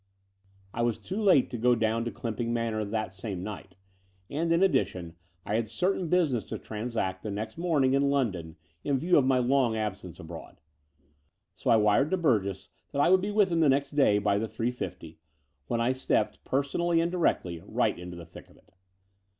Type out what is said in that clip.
I was too late to go down to Clymping Manor that same night; and, in addition, I had certain business to transact the next morning in London in view of my long absence abroad. So I wired to Burgess that I would be with him the next day by the 3.50, when I stepped, personally and directly, right into the thick of it.